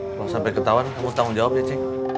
kalau sampai ketahuan kamu tanggung jawab ya cik